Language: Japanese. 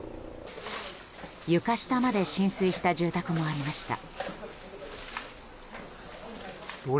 床下まで浸水した住宅もありました。